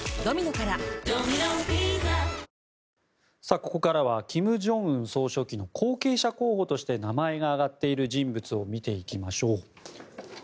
ここからは金正恩総書記の後継者候補として名前が挙がっている人物を見ていきましょう。